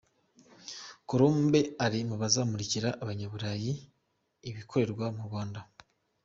Colombe ari mu bazamurikira abanyaburayi ibikorerwa mu Rwanda.